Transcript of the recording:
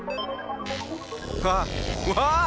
あっわあ！